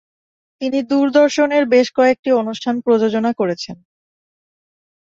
তিনি দূরদর্শনের বেশ কয়েকটি অনুষ্ঠান প্রযোজনা করেছেন।